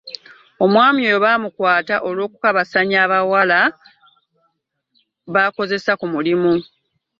Omwami oyo baamukwata olw'okukabassanya abawala baakozesa ku mulimu.